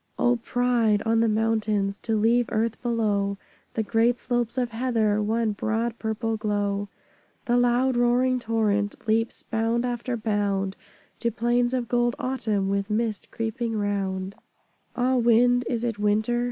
O pride! on the Mountains To leave earth below; The great slopes of heather, One broad purple glow; The loud roaring torrent Leaps, bound after bound, To plains of gold Autumn, With mist creeping round Ah, Wind, is it Winter?